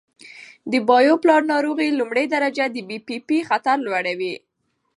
د بایپولار ناروغۍ لومړۍ درجه د پي پي پي خطر زیاتوي.